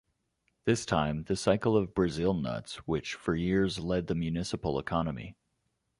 This time, the cycle of Brazil nuts, which for years led the municipal economy.